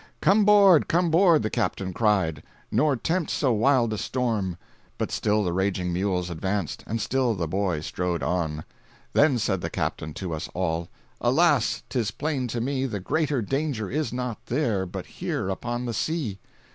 "Come 'board, come 'board," the captain cried, "Nor tempt so wild a storm;" But still the raging mules advanced, And still the boy strode on. Then said the captain to us all, "Alas, 'tis plain to me, The greater danger is not there, But here upon the sea.